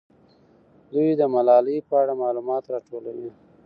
دوی د ملالۍ په اړه معلومات راټولوي.